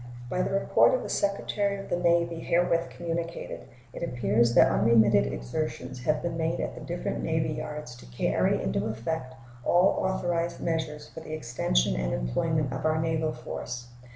By the report of the Secretary of the Navy herewith communicated it appears that unremitted exertions have been made at the different navy yards to carry into effect all authorized measures for the extension and employment of our naval force.